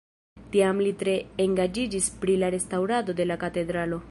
Tiam li tre engaĝiĝis pri la restaŭrado de la katedralo.